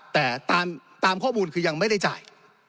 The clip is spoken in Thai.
แต่ตามข้อมูลคือยังไม่ได้จ่าย